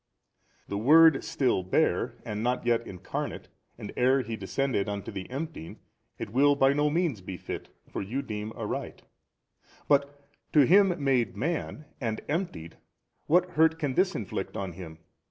A. The Word still bare and not yet Incarnate and ere He descended unto the emptying, it will by no means befit (for you deem aright), but to Him made man and emptied what hurt can this inflict on Him?